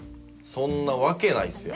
「そんなわけないですよ」